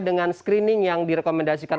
dengan screening yang direkomendasikan